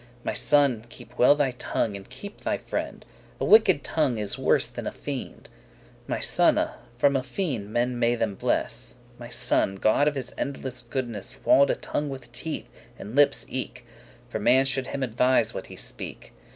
My son, keep well thy tongue, and keep thy friend; A wicked tongue is worse than is a fiend: My sone, from a fiend men may them bless.* *defend by crossing My son, God of his endeless goodness themselves Walled a tongue with teeth, and lippes eke, For* man should him advise, what he speak.